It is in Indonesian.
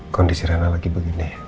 kondisi rena lagi begini